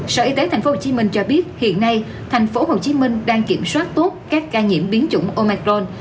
sở y tế tp hcm cho biết hiện nay tp hcm đang kiểm soát tốt các ca nhiễm biến chủng omicron